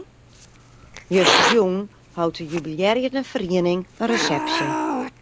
Justerjûn hold de jubilearjende feriening in resepsje.